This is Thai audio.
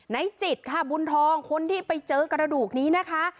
ในจิตค่ะบุญทองคนที่ไปเจอกระดูกนี้นะคะ